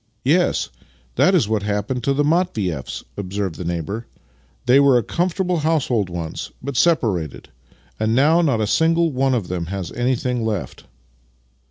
" Yes, that is what happened to the Matvieffs," observed the neighbour. " They were a comfortable household once, but separated — and now not a single one of them has anything left."